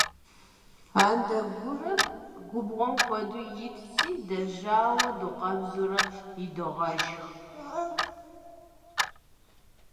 Андэгурэр губгъуэм куэду итти, дежауэ дукъэбзурэ идогъэшх.